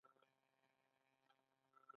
د هوږې اوبه د څه لپاره دي؟